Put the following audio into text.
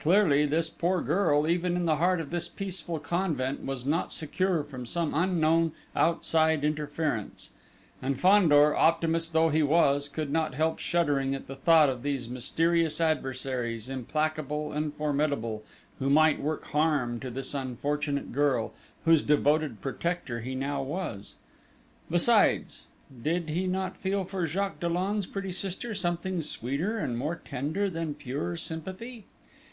Clearly, this poor girl, even in the heart of this peaceful convent, was not secure from some unknown, outside interference; and Fandor, optimist though he was, could not help shuddering at the thought of these mysterious adversaries, implacable and formidable, who might work harm to this unfortunate girl, whose devoted protector he now was.... Besides ... did he not feel for Jacques Dollon's pretty sister something sweeter and more tender than pure sympathy?...